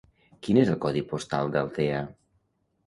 Quin és el codi postal d'Altea?